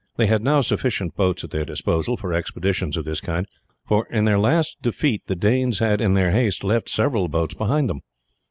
They had now sufficient boats at their disposal for expeditions of this kind; for, in their last defeat, the Danes had in their haste left several boats behind them.